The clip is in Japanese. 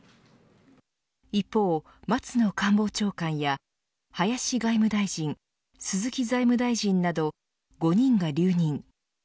一方、松野官房長官や林外務大臣鈴木財務大臣など５人が留任。